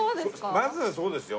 まずはそうですよ。